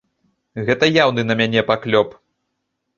Гэта яўны на мяне паклёп!